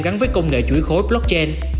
gắn với công nghệ chuỗi khối blockchain